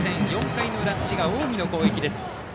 ４回の裏、滋賀・近江の攻撃です。